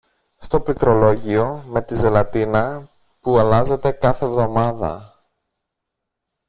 στο πληκτρολόγιο με τη ζελατίνα που αλλάζεται κάθε εβδομάδα